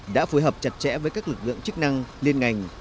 đã phối hợp chặt chẽ với các lực lượng chức năng liên ngành